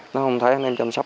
nó không thấy anh em chăm sóc